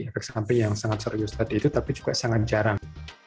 efek samping yang sangat serius tadi itu tapi juga sangat jarang